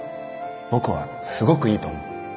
僕はすごくいいと思う。